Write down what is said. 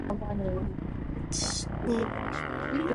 Fines for speeding in school zones may be enhanced.